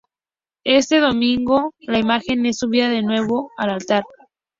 Ese domingo, la imagen es subida de nuevo al altar.